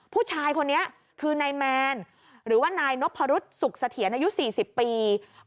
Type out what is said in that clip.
ผู้ชายคนนี้คือนายแมนหรือว่านายนพรุษสุขเสถียรอายุ๔๐ปี